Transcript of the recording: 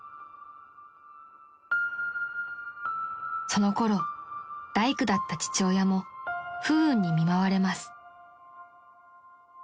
［そのころ大工だった父親も不運に見舞われます］